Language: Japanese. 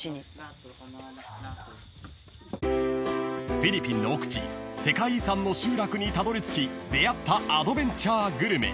［フィリピンの奥地世界遺産の集落にたどりつき出合ったアドベンチャーグルメ］